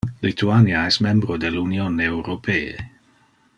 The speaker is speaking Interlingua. Lituania es membro del Union Europee.